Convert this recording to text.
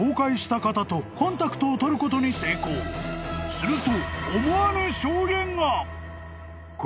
［すると］